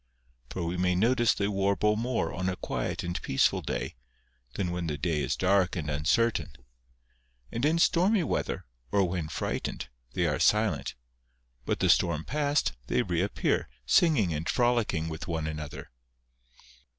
For we may nojbice they warble more on a quiet and peaceful day, than when the day is dark and uncertain. And in stormy weather, or when frightened, they are silent ; but the storm passed, they reappear, singing and frolicking with one another.